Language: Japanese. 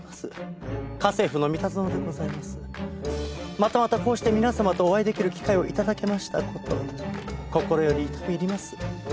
またまたこうして皆様とお会いできる機会を頂けました事心より痛み入ります。